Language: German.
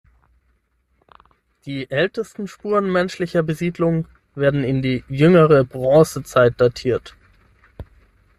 Die ältesten Spuren menschlicher Besiedlung werden in die jüngere Bronzezeit datiert.